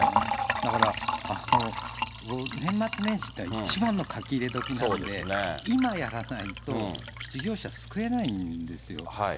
だから、年末年始って一番の書き入れ時なんで、今やらないと、事業者救えないんですよ。